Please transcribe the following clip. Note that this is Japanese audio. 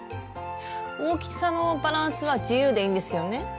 大きさのバランスは自由でいいんですよね？